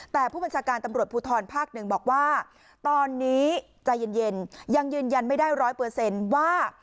แต่ผู้บัญชาการตำรวจภูทรภาคหนึ่งบอกว่าตอนนี้ใจเย็นยังยืนยันไม่ได้ร้อยเปอร์เซ็นต์ว่า